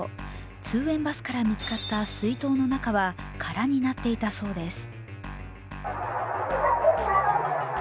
通園バスから見つかった水筒の中は空になっていたそうです。